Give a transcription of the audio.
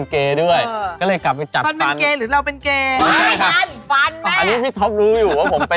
คือตัวจริงเป็นแบบนั้นหรือเปล่า